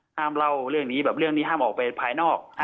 เล่าเรื่องนี้แบบเรื่องนี้ห้ามออกไปภายนอก